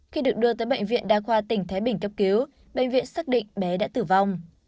khi được đưa tới bệnh viện đa khoa tỉnh thái bình cấp cứu bệnh viện xác định bé đã tử vong